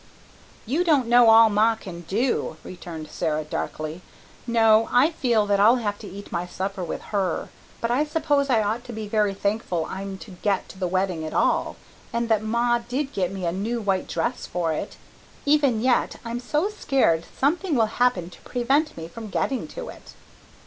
"You don't know all ma can do," returned Sara darkly. "No, I feel that I'll have to eat my supper with her. But I suppose I ought to be very thankful I'm to get to the wedding at all, and that ma did get me a new white dress for it. Even yet I'm so scared something will happen to prevent me from getting to it."